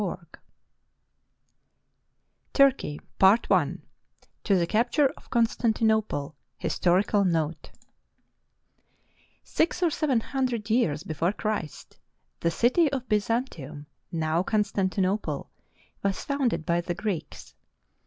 TURKEY I TO THE CAPTURE OF CONSTANTINOPLE HISTORICAL NOTE Six or seven hundred years before Christ, the city of Byzan tium, now Constantinople, was founded by the Greeks.